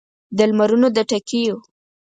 د لمرونو د ټکېو